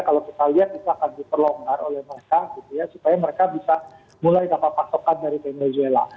kalau kita lihat itu akan diperlonggar oleh mereka gitu ya supaya mereka bisa mulai dapat pasokan dari venezela